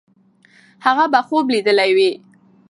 هغه به خوب لیدلی وي.